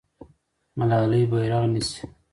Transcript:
ملالۍ بیرغ نیسي.